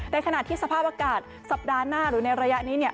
ขณะที่สภาพอากาศสัปดาห์หน้าหรือในระยะนี้เนี่ย